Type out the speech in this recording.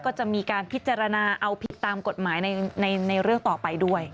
ก็จะมีการพิจารณาเอาผิดตามกฎหมายในเรื่องต่อไปด้วย